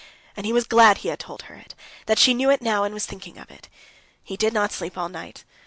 And he was glad he had told her it, that she knew it now and was thinking of it. He did not sleep all night.